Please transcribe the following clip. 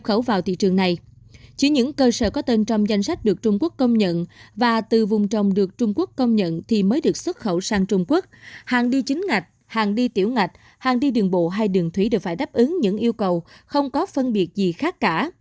hàng đi chính ngạch hàng đi tiểu ngạch hàng đi đường bộ hay đường thủy đều phải đáp ứng những yêu cầu không có phân biệt gì khác cả